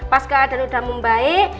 pas keadaan udah membaik